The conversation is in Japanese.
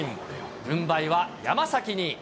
軍配は山崎に。